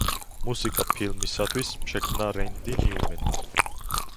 მუსიკა ფილმისათვის შექმნა რენდი ნიუმენმა.